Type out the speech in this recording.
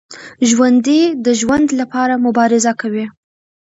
ژوندي د ژوند لپاره مبارزه کوي